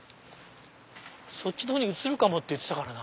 そっちのほうに移るかもって言ってたからな。